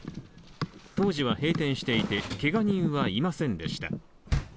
当時は閉店していて、けが人はいませんでした。